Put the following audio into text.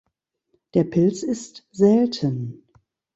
Der Pilz ist selten.